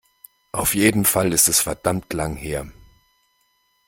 Auf jeden Fall ist es verdammt lang her.